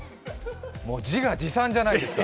もう自画自賛じゃないですか。